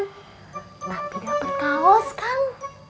tapi dapet kaos kang